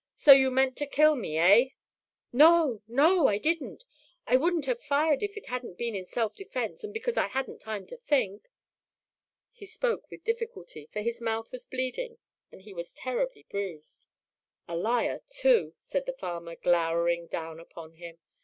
"So you meant to kill me, eh?" "No, no! I didn't. I wouldn't have fired if it hadn't been in self defense and because I hadn't time to think." He spoke with difficulty, for his mouth was bleeding and he was terribly bruised. "A liar, too!" said the farmer, glowering down upon him.